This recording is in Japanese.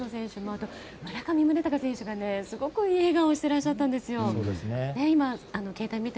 あと、村上宗隆選手がすごくいい笑顔をしてらっしゃったんですよ。